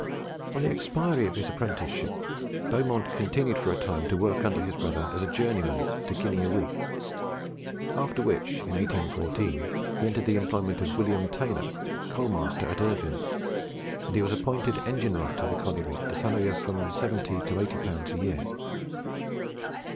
On the expiry of his apprenticeship, Beaumont continued for a time to work under his brother as journeyman at a guinea a week; after which, in 1814, he entered the employment of William Taylor, coal master at Irvine, and he was appointed engine wright of the colliery at a salary of from 70L. to 80L. a year.